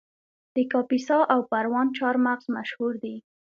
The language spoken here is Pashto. د کاپیسا او پروان چهارمغز مشهور دي